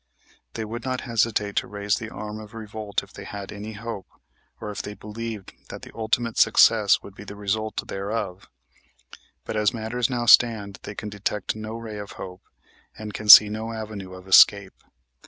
They would not hesitate to raise the arm of revolt if they had any hope, or if they believed that ultimate success would be the result thereof. But as matters now stand they can detect no ray of hope, and can see no avenue of escape.